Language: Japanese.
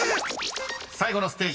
［最後のステージ